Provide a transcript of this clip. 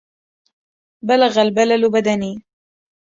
بلغ البلل بدني.